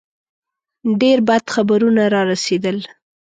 ډېر بد خبرونه را رسېدل.